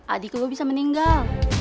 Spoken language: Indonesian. adik lo bisa meninggal